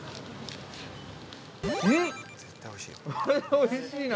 ◆おいしいな。